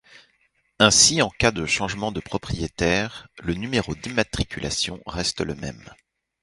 Ainsi, en cas de changement de propriétaire, le numéro d'immatriculation reste le même.